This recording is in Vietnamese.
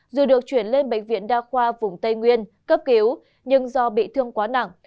dù được chuyển lên bệnh viện đa khoa vùng tây nguyên cấp cứu nhưng do bị thương quá nặng